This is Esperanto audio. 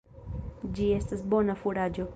Ĝi estas bona furaĝo.